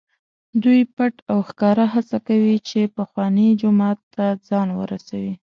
دوی پټ او ښکاره هڅه کوي چې پخواني جومات ته ځان ورسوي.